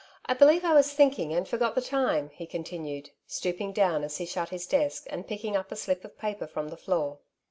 " I believe I was thinking and forgot the time," he continued, stooping down as he shut his desk, and picking up a sUp of paper from the floor.